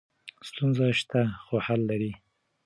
ستونزې شته خو حل لري.